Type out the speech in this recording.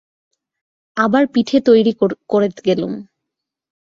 আবার পিঠে তৈরি করেত গেলুম।